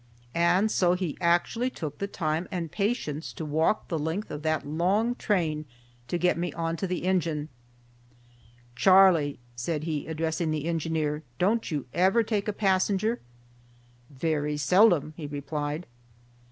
And so he actually took the time and patience to walk the length of that long train to get me on to the engine. "Charlie," said he, addressing the engineer, "don't you ever take a passenger?" "Very seldom," he replied.